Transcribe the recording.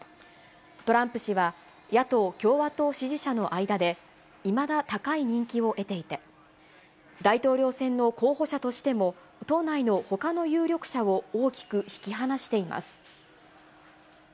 トランプ氏は、野党・共和党支持者の間で、いまだ高い人気を得ていて、大統領選の候補者としても党内のほかの有力者を大きく引き離しています。